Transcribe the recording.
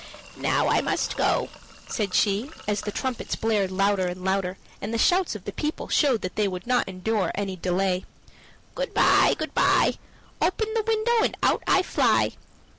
"Now I must go," said she, as the trumpets blared louder and louder, and the shouts of the people showed that they would not endure any delay. "Good by, good by! Open the window and out I fly."